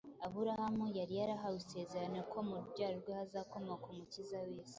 Aburahamu yari yarahawe isezerano ko mu rubyaro rwe hazakomoka Umukiza w’isi